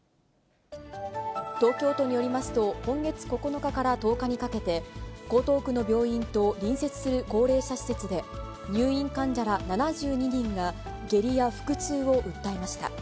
東京都によりますと、今月９日から１０日にかけて、江東区の病院と隣接する高齢者施設で、入院患者ら７２人が下痢や腹痛を訴えました。